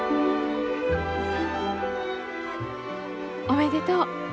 おめでとう。